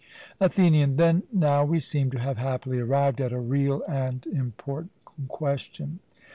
ATHENIAN: Then now we seem to have happily arrived at a real and important question.